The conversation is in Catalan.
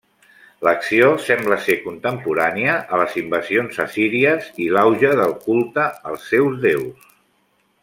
L'acció sembla ser contemporània a les invasions assíries i l'auge del culte als seus déus.